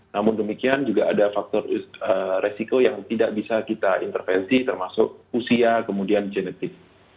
namun demikian juga ada faktor resiko yang tidak bisa kita intervensi termasuk usia kemudian genetik